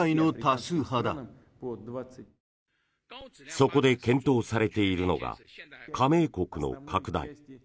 そこで検討されているのが加盟国の拡大。